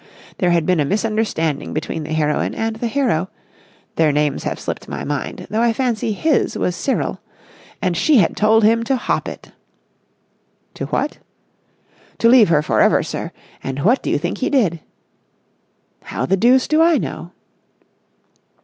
There had been a misunderstanding between the heroine and the hero—their names have slipped my mind, though I fancy his was Cyril—and she had told him to hop it...." "To what?" "To leave her for ever, sir. And what do you think he did?" "How the deuce do I know?"